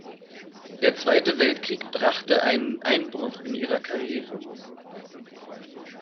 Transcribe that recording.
Der Zweite Weltkrieg brachte einen Einbruch in ihrer Karriere.